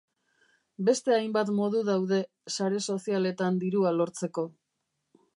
Beste hainbat modu daude sare sozialetan dirua lortzeko